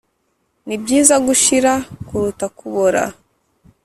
nibyiza gushira kuruta kubora